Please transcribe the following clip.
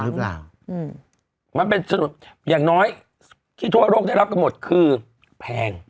หรือเปล่ามันเป็นฉนดอย่างน้อยที่ทั่วโลกได้รับกันหมดคือแพง